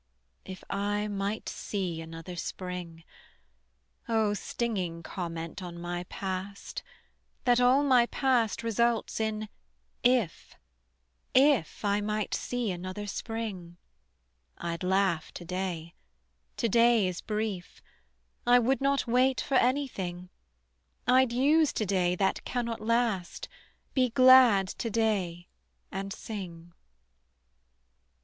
If I might see another Spring O stinging comment on my past That all my past results in "if" If I might see another Spring I'd laugh to day, to day is brief; I would not wait for anything: I'd use to day that cannot last, Be glad to day and sing.